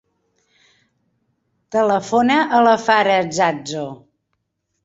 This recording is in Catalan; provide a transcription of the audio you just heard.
Telefona a la Farah Zazo.